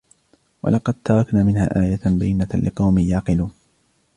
وَلَقَدْ تَرَكْنَا مِنْهَا آيَةً بَيِّنَةً لِقَوْمٍ يَعْقِلُونَ